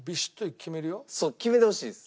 そう決めてほしいです。